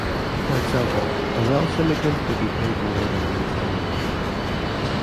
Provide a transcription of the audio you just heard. For example, a Welsh immigrant would be paid more than an Italian immigrant.